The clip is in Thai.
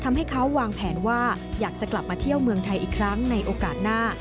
ทำให้เขาวางแผนว่าอยากจะกลับมาเที่ยวเมืองไทยอีกครั้งในโอกาสหน้า